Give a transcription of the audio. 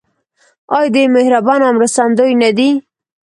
آیا دوی مهربان او مرستندوی نه دي؟